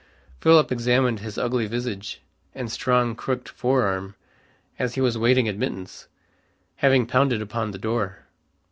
Philip examined his ugly visage and strong crooked fore arm, as he was waiting admittance, having pounded upon the door.